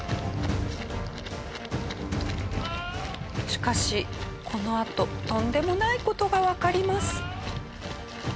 しかしこのあととんでもない事がわかります。